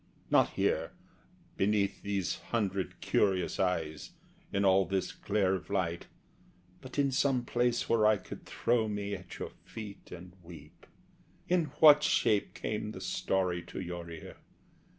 Not here, beneath these hundred curious eyes, In all this glare of light; but in some place Where I could throw me at your feet and weep. In what shape came the story to your ear?